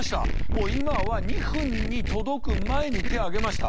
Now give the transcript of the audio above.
もう今は２分に届く前に手挙げました。